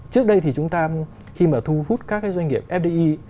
trước đây thì chúng ta khi mà thu hút các cái doanh nghiệp fdi